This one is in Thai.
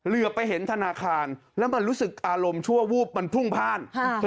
เหลือไปเห็นธนาคารแล้วมันรู้สึกอารมณ์ชั่ววูบมันพุ่งพ่าน